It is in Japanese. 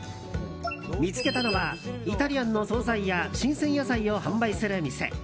見つけたのはイタリアンの総菜や新鮮野菜を販売する店。